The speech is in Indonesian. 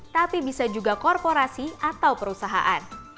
tapi bisa juga korporasi atau perusahaan